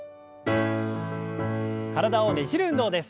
体をねじる運動です。